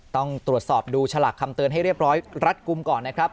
ต้องตรวจสอบดูฉลากคำเตือนให้เรียบร้อยรัดกลุ่มก่อนนะครับ